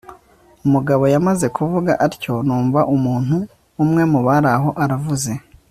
umugabo yamaze kuvuga atyo numva umuntu umwe mubaraho aravuze